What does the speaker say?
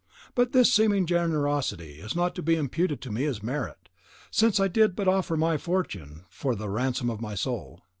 But this seeming generosity is not to be imputed to me as a merit, since I did but offer my fortune for the ransom of my soul.